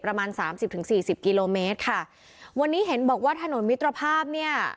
ประมาณสามสิบถึงสี่สิบกิโลเมตรค่ะวันนี้เห็นบอกว่าถนนมิตรภาพเนี่ย